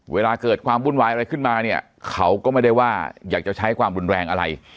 เวลาเกิดความวุ่นวายอะไรขึ้นมาเนี่ยเขาก็ไม่ได้ว่าอยากจะใช้ความรุนแรงอะไร